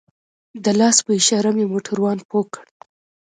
د لاس په اشاره مې موټروان پوه کړ.